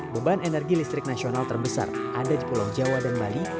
beban energi listrik nasional terbesar ada di pulau jawa dan bali